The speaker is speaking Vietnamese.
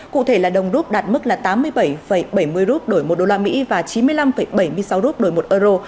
cụ thể là đồng rút đạt mức tám mươi bảy bảy mươi rút đổi một đô la mỹ và chín mươi năm bảy mươi sáu rút đổi một euro